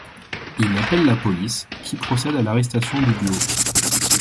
Il appele la police, qui procède à l’arrestation du duo.